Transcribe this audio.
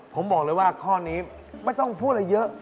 ผมบอกเลยว่าข้อนี้ไม่ต้องพูดอะไรเยอะ